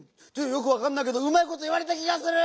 よくわかんないけどうまいこといわれた気がする！